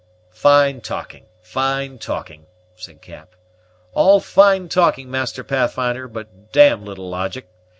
"Fine talking, fine talking!" said Cap; "all fine talking, Master Pathfinder, but d d little logic.